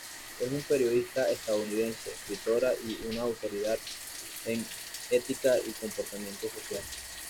Es una periodista estadounidense, escritora, y una autoridad en etiqueta y comportamiento social.